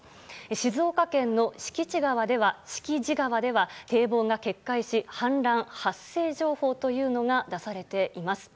静岡県の敷地川では堤防が決壊し氾濫発生情報というのが出されています。